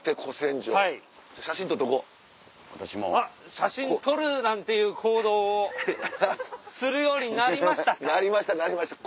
写真撮るなんていう行動をするようになりましたか。